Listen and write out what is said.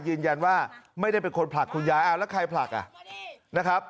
ยืนยันว่าไม่ได้เป็นคนผลักคุณยายแล้วใครผลักอ่ะนะครับ